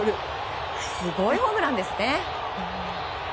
すごいホームランですね。